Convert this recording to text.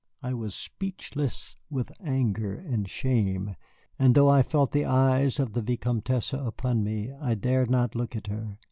I was speechless with anger and shame, and though I felt the eyes of the Vicomtesse upon me, I dared not look at her.